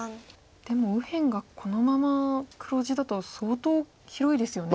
でも右辺がこのまま黒地だと相当広いですよね。